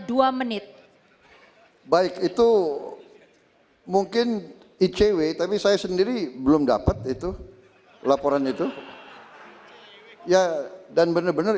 dua menit baik itu mungkin icw tapi saya sendiri belum dapat itu laporan itu ya dan bener bener